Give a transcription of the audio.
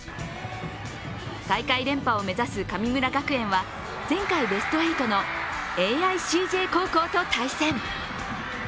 大会連覇を目指す神村学園は前回ベスト８のＡＩＣＪ高校と対戦。